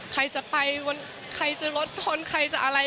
ใครจะไปใครซื้อรถชนใครจะอะไร